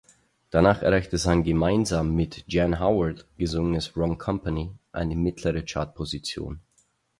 Danach erreichte sein gemeinsam mit Jan Howard gesungenes "Wrong Company" eine mittlere Chartposition.